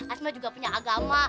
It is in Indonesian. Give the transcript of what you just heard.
asma juga punya agama